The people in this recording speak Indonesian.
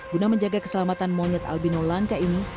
guna menjaga keselamatan monyet albino langka ini